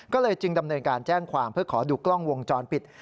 ก็เลยจึงดำเนินการแจ้งความเพื่อขอดูกล้องวงจรปิด